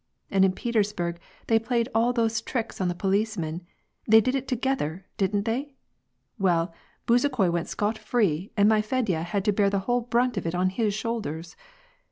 And in Petersburg, they played all those tricks on the policeman : they did it together, didn't they ? WeU, Bezukhoi went scot free, and my Fedya had to bear the whole brunt of it on his shoulders